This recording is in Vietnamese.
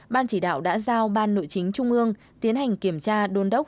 ban chỉ đạo đã giao ban nội chính trung ương tiến hành kiểm tra đôn đốc